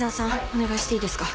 お願いしていいですか。